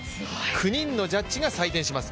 ９人のジャッジが判定します。